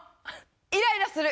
イライラする。